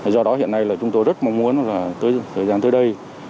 do đó hiện nay chúng tôi rất mong muốn thời gian tới đây